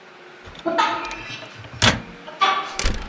后因病辞职归乡。